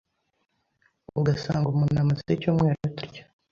ugasanga umuntu amaze icyumweru atarya